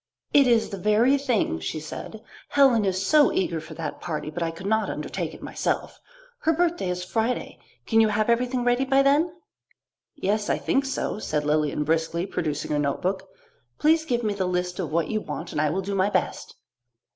"It is the very thing," she said. "Helen is so eager for that party, but I could not undertake it myself. Her birthday is Friday. Can you have everything ready by then?" "Yes, I think so," said Lilian briskly, producing her notebook. "Please give me the list of what you want and I will do my best."